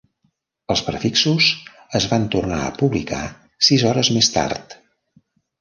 Els prefixos es van tornar a publicar sis hores més tard.